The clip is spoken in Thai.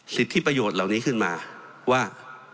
สิทธิประโยชน์เหล่านี้ขึ้นมาว่า